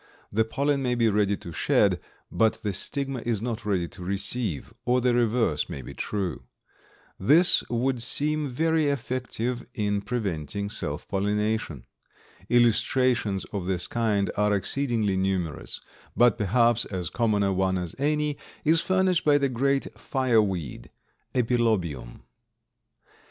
The pollen may be ready to shed, but the stigma is not ready to receive, or the reverse may be true. This would seem very effective in preventing self pollination. Illustrations of this kind are exceedingly numerous, but perhaps as common a one as any is furnished by the great fireweed, Epilobium.